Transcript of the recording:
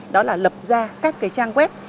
đó là lập ra các trang web